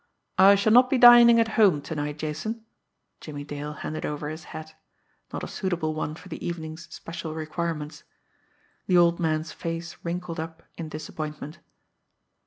"I shall not be dining at home to night, Jason." Jimmie Dale handed over his hat not a suitable one for the evening's special requirements. The old man's face wrinkled up in disappointment.